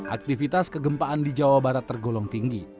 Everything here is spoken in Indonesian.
aktivitas kegempaan di jawa barat tergolong tinggi